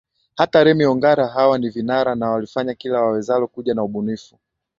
Hata Remmy Ongara hawa ni vinara na walifanya kila wawezalo kuja na ubunifu